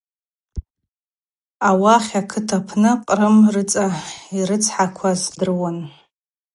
Ауахь акытыжв апны Кърым рыцӏа йрыцхӏакваз дрыуан.